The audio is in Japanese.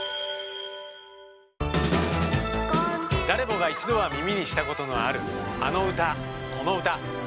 誰もが一度は耳にしたことのあるあの歌この歌。